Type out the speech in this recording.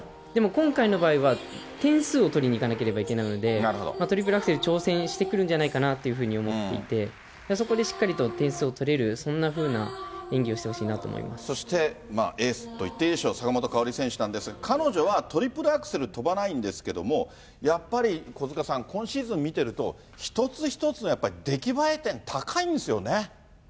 でも今回の場合は点数を取りにいかなければいけないので、トリプルアクセル挑戦してくるんじゃないかなというふうに思っていて、そこでしっかりと点数を取れる、そんなふうな演技をしてほしいなそして、エースと言っていいでしょう、坂本花織選手なんですが、彼女はトリプルアクセル跳ばないんですけれども、やっぱり小塚さん、今シーズン見てると、一つ一つのやっぱり出来栄え点高いんですよね。